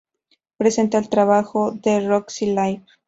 Presentan el trabajo en The Roxy Live!